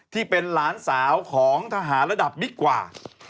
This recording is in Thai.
ที่เป็นหลานสาวของทหารระดับบิ๊กกว่า